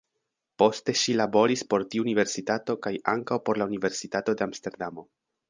Poste ŝi laboris por tiu universitato kaj ankaŭ por la Universitato de Amsterdamo.